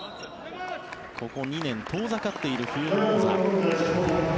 ここ２年、遠ざかっている冬の王座。